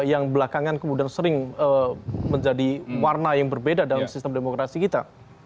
yang kemudian di belakangan sering menjadi warna yang berbeda dalam sistem demokrasi kita